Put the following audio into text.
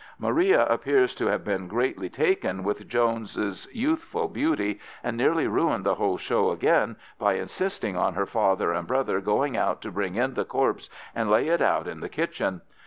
Maria appears to have been greatly taken with Jones's youthful beauty, and nearly ruined the whole show again by insisting on her father and brother going out to bring in the corpse and lay it out in the kitchen.